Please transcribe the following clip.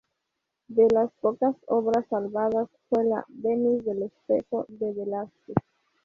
De las pocas obras salvadas fue la "Venus del espejo" de Velázquez.